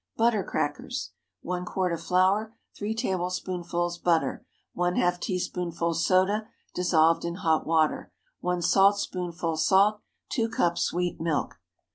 BUTTER CRACKERS. 1 quart of flour. 3 tablespoonfuls butter. ½ teaspoonful soda, dissolved in hot water. 1 saltspoonful salt. 2 cups sweet milk.